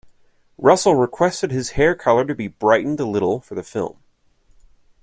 Russell requested his hair color to be brightened a little for the film.